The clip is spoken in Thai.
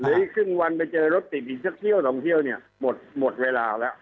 เดี๋ยวอีกครึ่งวันไปเจอรถติดอีกสักเที่ยวสองเที่ยวเนี่ยหมดเวลาแล้ว